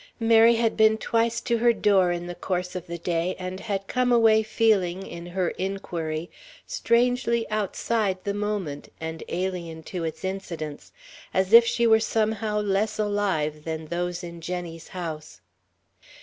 Mary had been twice to her door in the course of the day, and had come away feeling, in her inquiry, strangely outside the moment and alien to its incidence, as if she were somehow less alive than those in Jenny's house.